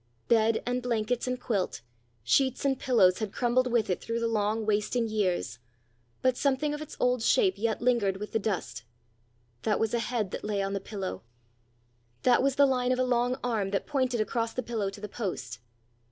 Bed and blankets and quilt, sheets and pillows had crumbled with it through the long wasting years, but something of its old shape yet lingered with the dust: that was a head that lay on the pillow; that was the line of a long arm that pointed across the pillow to the post.